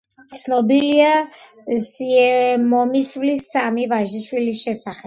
ცნობილია სიემომისლის სამი ვაჟიშვილის შესახებ.